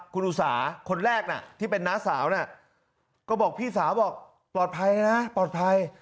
คุณอุตสาคนแรกน่ะที่เป็นน้าสาวน่ะก็บอกพี่สาวบอกปลอดภัยนะปลอดภัย